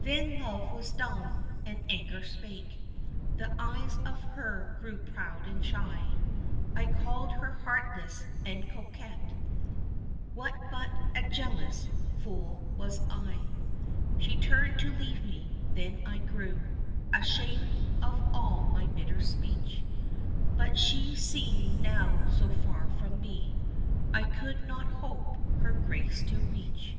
Then love was dumb, and anger spake, The eyes of her grew proud and shy, I called her heartless, and coquette What but a jealous fool was I? She turned to leave me, then I grew Ashamed of all my bitter speech, But she seemed now so far from me, I could not hope her grace to reach.